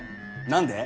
何で？